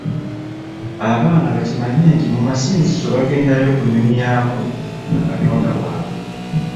Abaana bakimanye nti mu masinzizo bagendayo kunyumyamu na Katonda waabwe.